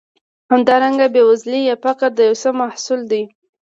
همدارنګه بېوزلي یا فقر د یو څه محصول دی.